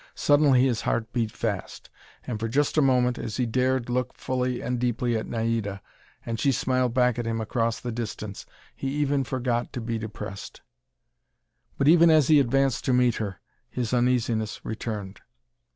Suddenly his heart beat fast, and for just a moment, as he dared look full and deeply at Naida, and she smiled back at him across the distance, he even forgot to be depressed. But even as he advanced to meet her, his uneasiness returned.